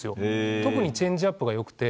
特にチェンジアップが良くて。